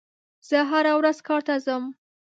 زه هره ورځ کار ته ځم.